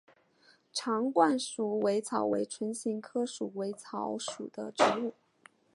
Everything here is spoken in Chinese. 长冠鼠尾草为唇形科鼠尾草属的植物。